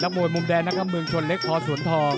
มวยมุมแดงนะครับเมืองชนเล็กพอสวนทอง